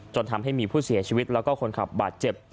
จนทำให้มีผู้เสียชีวิตแล้วก็คนขับบาดเจ็บ